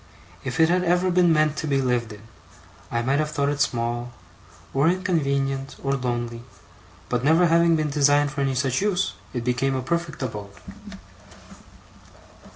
If it had ever been meant to be lived in, I might have thought it small, or inconvenient, or lonely; but never having been designed for any such use, it became a perfect abode.